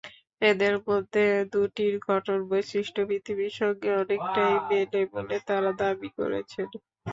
এদের মধ্যে দুটির গঠন-বৈশিষ্ট্য পৃথিবীর সঙ্গে অনেকটাই মেলে বলে তাঁরা দাবি করছেন।